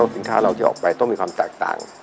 สินค้าเราที่ออกไปต้องมีความแตกต่าง